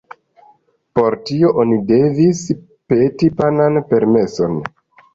Por tio oni devis peti papan permeson.